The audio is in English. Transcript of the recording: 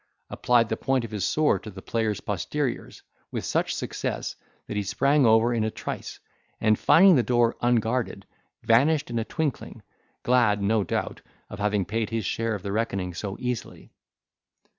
applied the point of his sword to the player's posteriors with such success, that he sprang over in a trice, and, finding the door unguarded, vanished in a twinkling; glad, no doubt, of having paid his share of the reckoning so easily.